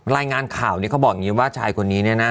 รายงานข่าวนี้เขาบอกอย่างนี้ว่าชายคนนี้เนี่ยนะ